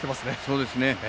そうですね。